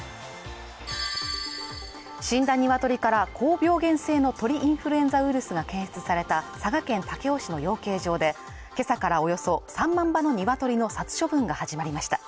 死んだニワトリから高病原性の鳥インフルエンザウイルスが検出された佐賀県武雄市の養鶏場で今朝から３万羽のニワトリの殺処分が始まりました